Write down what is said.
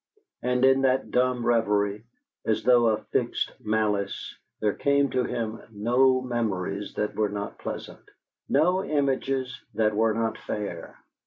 And in that dumb reverie, as though of fixed malice, there came to him no memories that were not pleasant, no images that were not fair.